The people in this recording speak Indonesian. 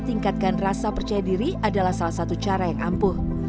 tingkatkan rasa percaya diri adalah salah satu cara yang ampuh